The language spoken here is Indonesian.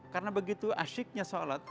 karena begitu asyiknya shalat